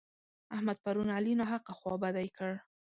احمد پرون علي ناحقه خوابدی کړ.